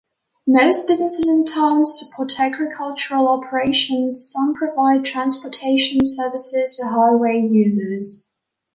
Most businesses in town support agricultural operations; some provide transportation services for highway users.